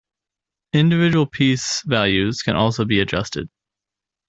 Individual piece values can also be adjusted.